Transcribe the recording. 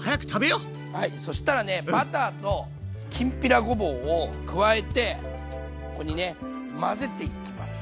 はいそしたらねバターときんぴらごぼうを加えてここにね混ぜていきます。